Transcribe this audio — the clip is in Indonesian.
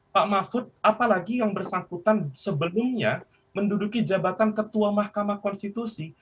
pak mahfud apalagi yang bersangkutan sebelumnya menduduki jabatan ketua mahkamah konstitusi